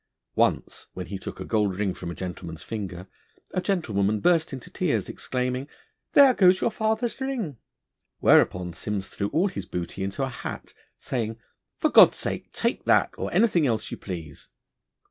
Once when he took a gold ring from a gentleman's finger a gentlewoman burst into tears, exclaiming, 'There goes your father's ring.' Whereupon Simms threw all his booty into a hat, saying, 'For God's sake, take that or anything else you please.'